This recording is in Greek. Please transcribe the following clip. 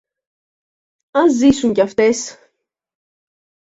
Ας ζήσουν και αυτές.